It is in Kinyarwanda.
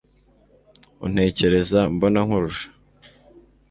untekereza mbono nkurusha